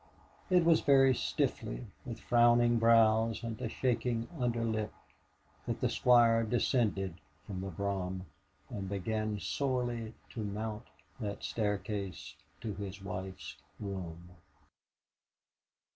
It was very stiffly, with frowning brows and a shaking under lip, that the Squire descended from the brougham, and began sorely to mount the staircase to his wife's room.